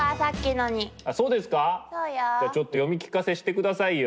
じゃあちょっと読み聞かせしてくださいよ。